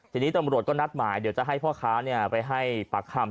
ทีนี้ตำรวจก็นัดหมายเดี๋ยวจะให้พ่อค้าไปให้ปากคำ